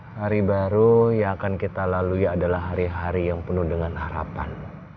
hari baru yang akan kita lalui adalah hari hari yang penuh dengan harapan